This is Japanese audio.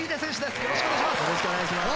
よろしくお願いします。